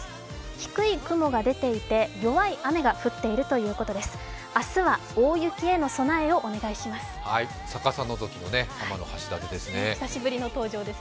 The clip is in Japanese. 低い雲が出ていて、弱い雨が降っているということです。